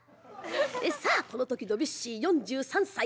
さあこの時ドビュッシー４３歳。